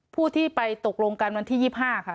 ผู้ที่ไปตกลงกันวันที่๒๕ค่ะ